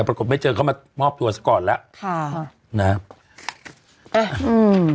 ปรากฏไม่เจอเขามามอบตัวซะก่อนแล้วค่ะนะเอ๊ะอืม